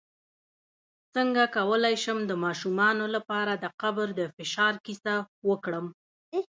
څنګه کولی شم د ماشومانو لپاره د قبر د فشار کیسه وکړم